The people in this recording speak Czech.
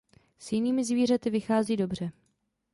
S jinými zvířaty vychází dobře.